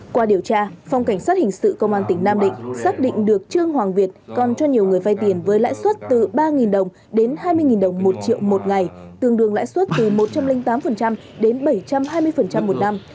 qua điều tra phòng cảnh sát hình sự công an tỉnh nam định xác định được trương hoàng việt còn cho nhiều người vai tiền với lãi suất từ ba đồng đến hai mươi đồng một triệu một ngày tương đương lãi suất từ một trăm linh tám đến bảy trăm hai mươi một năm